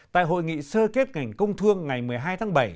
tại hội nghị sơ kết ngành công thương ngày một mươi hai tháng bảy